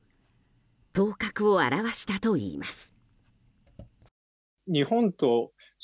頭角を現したといいます。